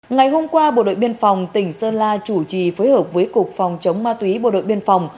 ngày hôm qua bộ đội biên phòng tỉnh sơn la chủ trì phối hợp với cục phòng chống ma túy bộ đội biên phòng